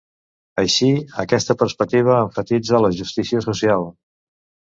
Així, aquesta perspectiva emfasitza la justícia social.